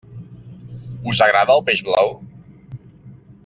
Us agrada el peix blau?